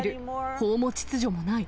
法も秩序もない。